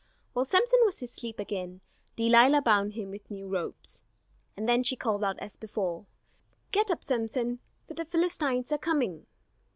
While Samson was asleep again, Delilah bound him with new ropes. Then she called out as before: "Get up, Samson, for the Philistines are coming!"